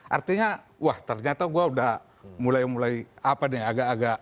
artinya wah ternyata gue udah mulai mulai apa deh agak agak